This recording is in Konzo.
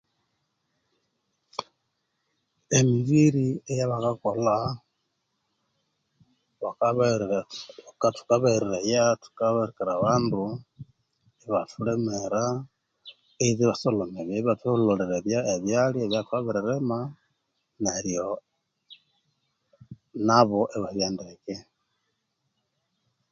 Emibiri eyabakakolha, bakabahereraya thukabahereraya, thukabirikira abandu ibathulimira, either ibasolhomera ibathuhulhulira ebyalya ebya thwabirilima neryo nabo ibabya ndeke.